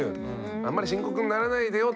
あんまり深刻にならないでよっていう。